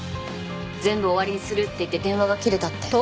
全部終わりにするって言って電話が切れたって。